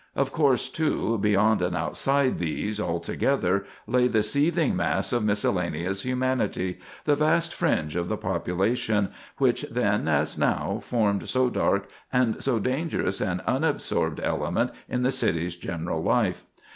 Of course, too, beyond and outside these altogether, lay the seething mass of miscellaneous humanity—the vast fringe of the population—which then, as now, formed so dark and so dangerous an unabsorbed element in the city's general life.